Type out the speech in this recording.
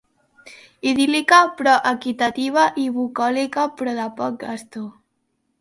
Idíl·lica, però equitativa; i bucòlica, però de poc gasto.